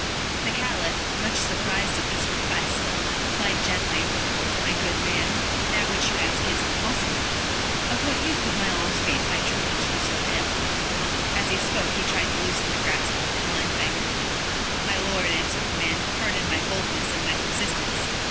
The Caliph, much surprised at this request, replied gently: "My good man, that which you ask is impossible. Of what use would my alms be if I treated you so ill?" And as he spoke he tried to loosen the grasp of the blind beggar. "My lord," answered the man, "pardon my boldness and my persistence.